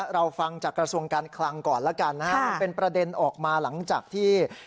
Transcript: เราฟังจากกระทรวงการคลังก่อนแล้วกันนะฮะมันเป็นประเด็นออกมาหลังจากที่